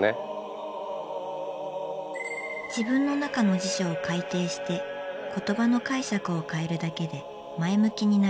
自分の中の辞書を改訂して言葉の解釈を変えるだけで前向きになれる。